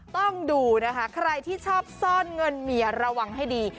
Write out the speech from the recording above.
ต้องดูนะคะใครที่ชอบซ่อนเงินเมียระวังให้ดี